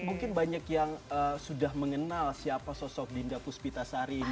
mungkin banyak yang sudah mengenal siapa sosok dinda puspita sari ini